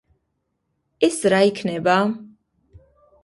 ეს რა იქნება?